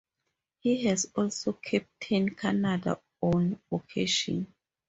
He has also captained Canada on occasion.